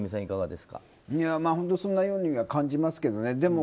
本当、そんなようには感じますけど。